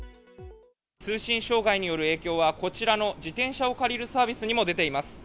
通信障害による影響はこちらの自転車を借りるサービスにも出ています。